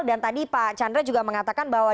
dan tadi pak chandra juga mengatakan bahwa